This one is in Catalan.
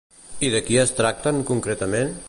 I de qui es tracten concretament?